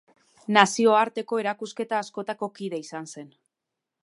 Nazioarteko erakusketa askotako kide izan zen.